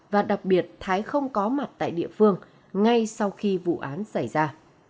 và đặc biệt thái không có mặt tại địa phương ngay sau khi vụ án xảy ra